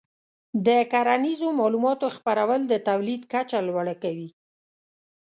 د کرنیزو معلوماتو خپرول د تولید کچه لوړه کوي.